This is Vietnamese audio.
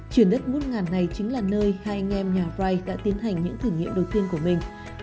chuyển đất mút ngàn này chính là nơi hai anh em nhà white đã tiến hành những thử nghiệm đầu tiên của mình